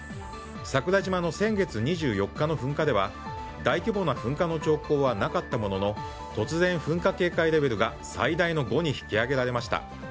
桜島の先月２４日の噴火では大規模な噴火の兆候はなかったものの突然、噴火警戒レベルが最大の５に引き上げられました。